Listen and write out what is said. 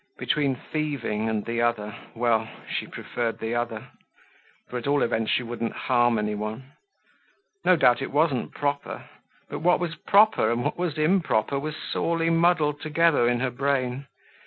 Between thieving and the other, well she preferred the other; for at all events she wouldn't harm any one. No doubt it wasn't proper. But what was proper and what was improper was sorely muddled together in her brain.